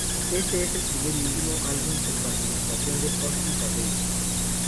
Este es el primer y último álbum con participación de Austin Carlile.